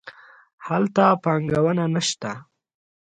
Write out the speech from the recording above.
هلته پانګونه نه شته.